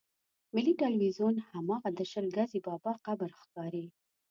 ملي ټلویزیون هماغه د شل ګزي بابا قبر ښکارېږي.